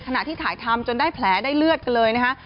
ที่ถ่ายทำจนได้แผลได้เลือดกันเลยนะคะ